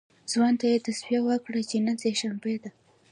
ځوان ته یې توصیه وکړه چې نن سه شنبه ده.